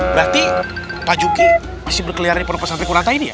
berarti pak juki masih berkeliaran di pondok pesantren kurata ini ya